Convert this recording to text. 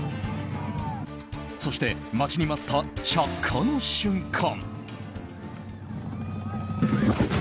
そして、待ちに待った着火の瞬間。